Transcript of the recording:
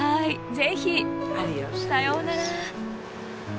ぜひ。さようなら。